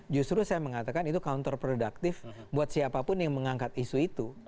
justru saya mengatakan itu counter productive buat siapapun yang mengangkat isu itu